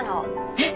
えっ！？